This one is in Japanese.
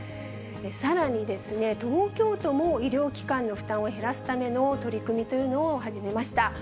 さらに東京都も医療機関の負担を減らすための取り組みというのを始めました。